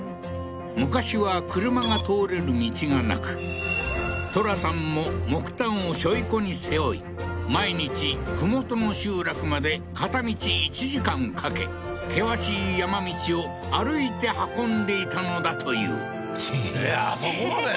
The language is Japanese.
昔は車が通れる道がなくトラさんも木炭をしょいこに背負い毎日麓の集落まで片道１時間かけ険しい山道を歩いて運んでいたのだというえっあそこまで？